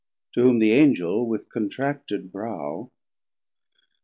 To whom the Angel with contracted brow.